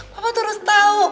papa terus tau